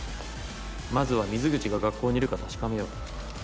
まずは水口が学校にいるか確かめよう。